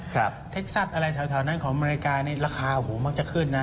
ครับเท็กซัตอะไรแถวแถวนั้นของอเมริกาเนี้ยราคาหูมักจะขึ้นนะ